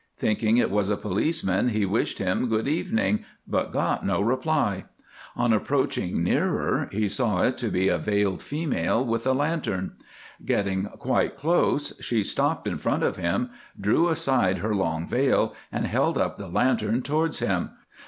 Thinking it was a policeman, he wished him "Good evening," but got no reply. On approaching nearer he saw it to be a veiled female with a lantern. Getting quite close, she stopped in front of him, drew aside her long veil, and held up the lantern towards him.